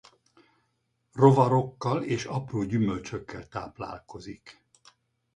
Rovarokkal és apró gyümölcsökkel táplálkozik.